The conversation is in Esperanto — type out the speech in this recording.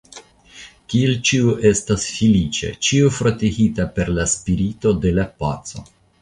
Kiel ĉio estas feliĉa, ĉio fratigita per la spirito de la paco!